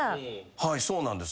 はいそうなんです。